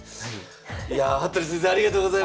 いやあ服部先生ありがとうございました。